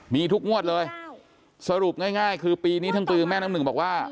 มีทุกงวดเลยสรุปง่ายคือปีนี้ทั้งปีแม่น้ำหนึ่งบอกว่า